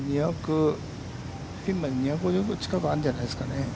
ピンまで２５０近くあるんじゃないですかね。